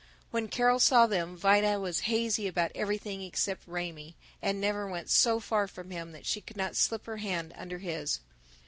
When Carol saw them Vida was hazy about everything except Raymie, and never went so far from him that she could not slip her hand under his.